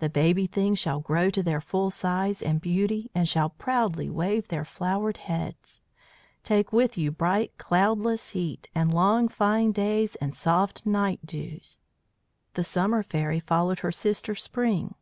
The baby things shall grow to their full size and beauty, and shall proudly wave their flowered heads. Take with you bright cloudless heat and long fine days and soft night dews." The Summer Fairy followed her sister Spring.